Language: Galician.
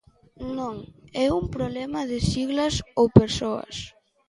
Non é un problema de siglas ou persoas.